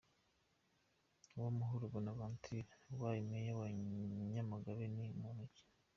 Uwamahoro Bonavanture ubaye Meya wa Nyamagabe ni muntu ki?.